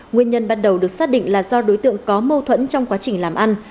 nguyên nhân ban đầu được xác định là do đối tượng có mâu thuẫn trong quá trình làm ăn